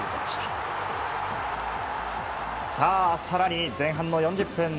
更に前半の４０分。